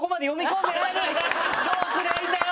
どうすりゃいいんだよ！